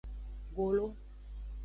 Golo.